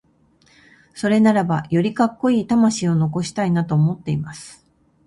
それならば、よりカッコイイ魂を残したいなと思っています。